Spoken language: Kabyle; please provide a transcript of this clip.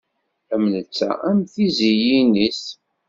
Am netta am tiziyin-is.